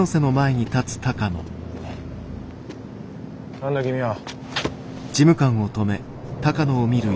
何だ君は？